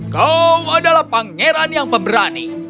kau adalah pangeran yang pemberani